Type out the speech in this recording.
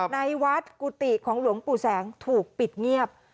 ในวัดกุฏิของหลวงปู่แสงถูกปิดเงียบ